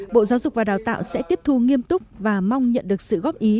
bộ giáo dục và đào tạo sẽ tiếp thu nghiêm túc và mong nhận được sự góp ý